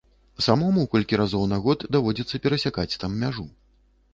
Самому колькі разоў на год даводзіцца перасякаць там мяжу.